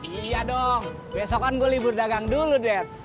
iya dong besokan gue libur dagang dulu det